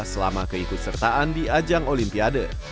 selama keikut sertaan di ajang olimpiade